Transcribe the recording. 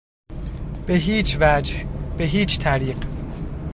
به هیچ وجه، به هیچ طریق